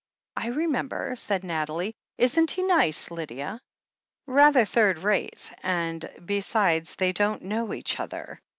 "I remember," said Nathalie. "Isn't he nice, Lydia?" "Rather third rate — ^and, besides, they don't know each other.